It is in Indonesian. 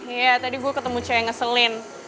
iya tadi gue ketemu caya ngeselin